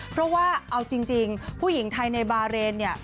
เพราะว่าเอาจริงผู้หญิงไทยในบาเรนเนี่ย